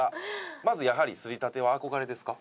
まずやはり刷りたては憧れですか？